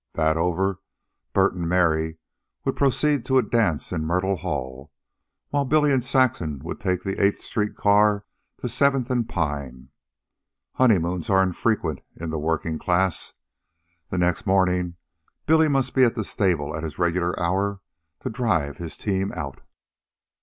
That over, Bert and Mary would proceed to a dance at Myrtle Hall, while Billy and Saxon would take the Eighth Street car to Seventh and Pine. Honeymoons are infrequent in the working class. The next morning Billy must be at the stable at his regular hour to drive his team out.